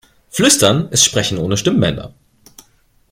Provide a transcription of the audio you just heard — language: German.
Flüstern ist Sprechen ohne Stimmbänder.